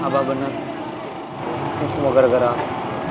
abah bener ini semua gara gara aku